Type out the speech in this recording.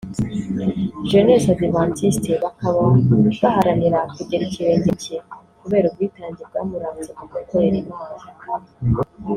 Jeunesse Adventiste) bakaba baharanira kugera ikirenge mu cye kubera ubwitange bwamuranze mu gukorera Imana